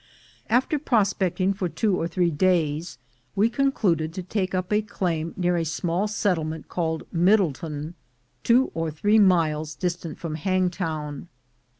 After prospecting for two or three days we concluded to take up a claim near a small settlement called Middletown, two or three miles distant from Hangtown.